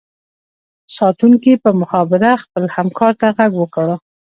ساتونکي په مخابره خپل همکار ته غږ وکړو